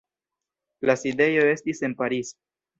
La sidejo estis en Paris.